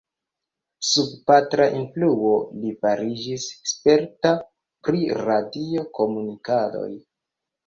Sub patra influo, li fariĝis sperta pri radio-komunikadoj.